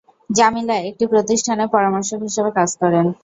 জামিলা একটি প্রতিষ্ঠানে পরামর্শক হিসেবে কাজ করেন।